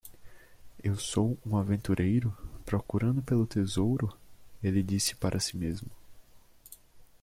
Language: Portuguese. "Eu sou um aventureiro? procurando pelo tesouro?" ele disse para si mesmo.